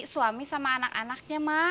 suami sama anak anaknya mak